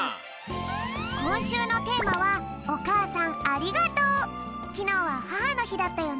こんしゅうのテーマはきのうはははのひだったよね。